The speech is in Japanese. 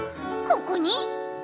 ここに？」